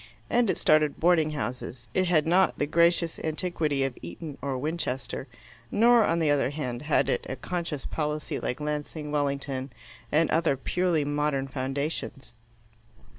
And it started boarding houses. It had not the gracious antiquity of Eton or Winchester, nor, on the other hand, had it a conscious policy like Lancing, Wellington, and other purely modern foundations.